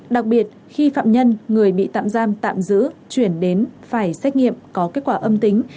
đặc biệt khi phạm nhân người bị tạm giam tạm giữ chuyển đến phải xét nghiệm có kết quả âm tính